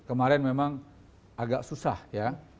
kemarin memang agak susah ya